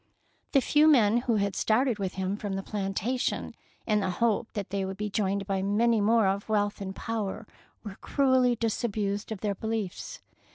The few men who had started with him from the plantation in the hope that they would be joined by many more of wealth and power were cruelly disabused of their beliefs.